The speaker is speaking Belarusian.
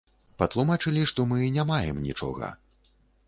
Патлумачылі, што мы не маем нічога!